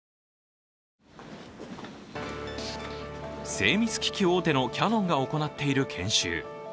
精密機器大手のキヤノンが行っている研修。